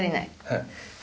はい。